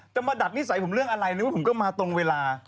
มาดัดนิสัยผมเรื่องอะไรนึกว่าผมก็มาตรงเวลา